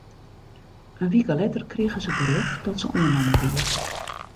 In wike letter krige se berjocht dat se oannommen wie.